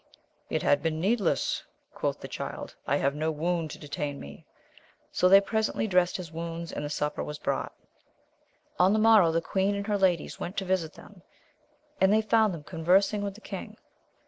It had been needless, quoth the Child ; I have no wound to detain me. So they presently dressed his wounds, and the supper was brought. On the morrow the queen and her ladies went to visit them, and they found them conversing with the king.